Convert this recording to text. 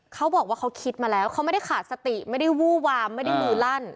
เขาบอกว่าเขาคิดมาแล้วเขาไม่ได้ขาดสติไม่ได้วู้วามไม่ได้มือลั่น